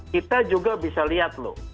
kita juga bisa lihat loh